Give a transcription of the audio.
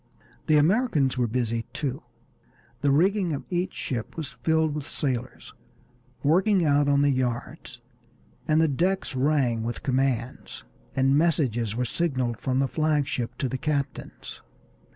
The Americans were busy too. The rigging of each ship was filled with sailors, working out on the yards, the decks rang with commands, and messages were signaled from the flag ship to the captains.